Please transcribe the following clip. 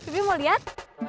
mimih mau liat